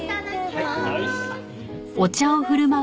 はい。